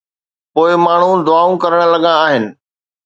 پوءِ ماڻهو دعائون ڪرڻ لڳندا آهن.